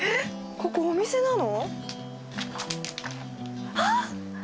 ここお店なの？